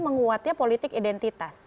menguatnya politik identitas